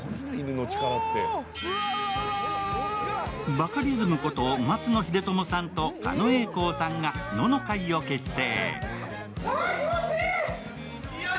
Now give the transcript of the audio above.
バカリズムこと升野英知さんと狩野英孝さんが「野の会」を結成。